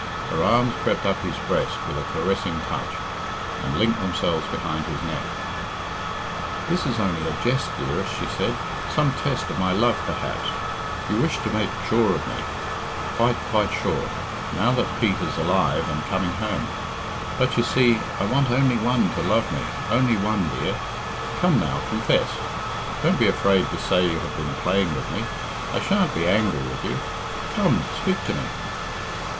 Her arms crept up his breast with a caressing touch, and linked themselves behind his neck. "This is only a jest, dearest," she said, "some test of my love, perhaps. You wished to make sure of me quite, quite sure now that Pete is alive and coming home. But, you see, I want only one to love me, only one, dear. Come, now, confess. Don't be afraid to say you have been playing with me. I shan't be angry with you. Come, speak to me."